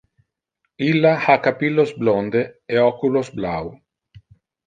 Illa ha capillos blonde e oculos blau.